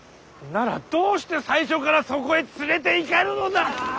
ならどうして最初からそこへ連れていかぬのだ！